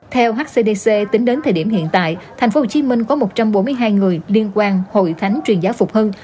theo hcdc tính đến thời điểm hiện tại thành phố hồ chí minh có một trăm bốn mươi hai người liên quan hội thánh truyền giáo phục hưng